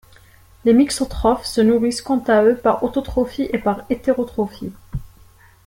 Les mixotrophes se nourrissent quant à eux par autotrophie et par hétérotrophie.